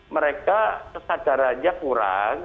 mereka kesadarannya kurang